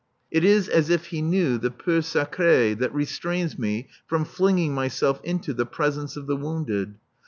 It is as if he knew the peur sacré that restrains me from flinging myself into the presence of the wounded.